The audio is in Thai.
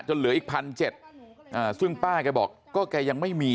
เหลืออีกพันเจ็ดอ่าซึ่งป้าแกบอกก็แกยังไม่มี